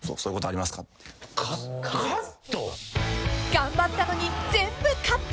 ［頑張ったのに全部カット］